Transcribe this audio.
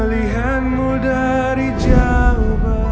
melihatmu dari jauh